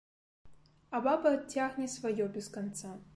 А баба цягне сваё без канца.